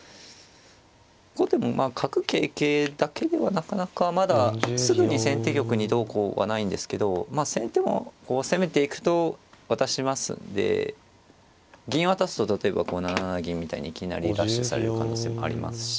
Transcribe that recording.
後手もまあ角桂桂だけではなかなかまだすぐに先手玉にどうこうはないんですけど先手も攻めていくと渡しますんで銀渡すと例えばこう７七銀みたいにいきなりラッシュされる可能性もありますし。